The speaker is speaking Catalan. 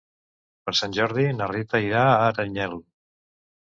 Per Sant Jordi na Rita irà a Aranyel.